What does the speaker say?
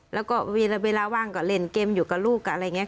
แล้วก็เวลาว่างก็เล่นเกมอยู่กับลูกอะไรอย่างนี้